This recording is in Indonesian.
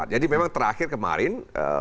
jadi memang terakhir kemarin